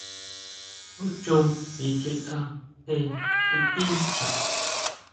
Jú chon sikjietʼa je xi tincha.